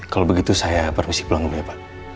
kalau begitu saya permisi pulang lebih ya pak